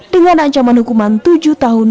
dengan ancaman hukuman tujuh tahun